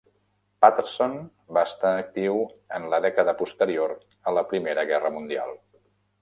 Patterson va estar actiu en la dècada posterior a la Primera Guerra Mundial.